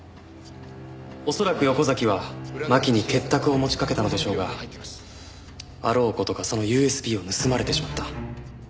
恐らく横崎は巻に結託を持ちかけたのでしょうがあろう事かそのＵＳＢを盗まれてしまった。